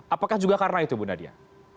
apakah juga karena itu bu nadia